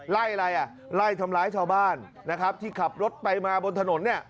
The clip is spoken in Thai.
ไล่อะไรไล่ทำลายชาวบ้านนะครับที่ขับรถไปมาบนถนน